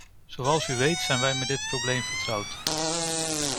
Zoals u weet zijn wij met dit probleem vertrouwd.